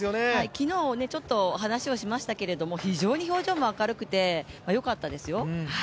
昨日、話をしましたけど非常に表情も明るくてよかったですよ。